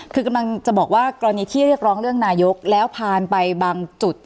คือกำลังจะบอกว่ากรณีที่เรียกร้องเรื่องนายกแล้วผ่านไปบางจุด